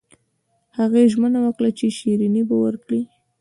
هغې ژمنه وکړه چې شیریني به ورکړي